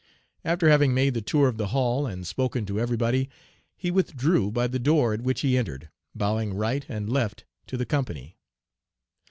After having made the tour of the hall, and spoken to everybody, he withdrew by the door at which he entered, bowing right and left to the company.